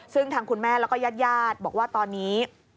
ซึ่งทางคุณแม่และยาดบอกว่าตอนนี้